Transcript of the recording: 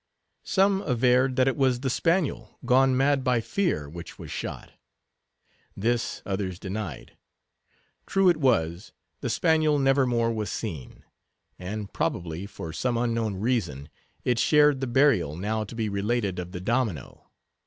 Some averred that it was the spaniel, gone mad by fear, which was shot. This, others denied. True it was, the spaniel never more was seen; and, probably, for some unknown reason, it shared the burial now to be related of the domino.